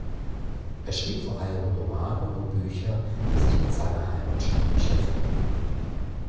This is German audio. Er schrieb vor allem Romane und Bücher, die sich mit seiner Heimatstadt beschäftigen.